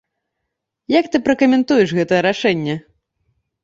Як ты пракамэнтуеш гэтае рашэнне?